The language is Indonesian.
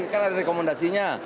kan ada rekomendasinya